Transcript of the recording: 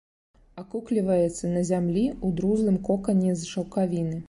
Акукліваецца на зямлі ў друзлым кокане з шаўкавіны.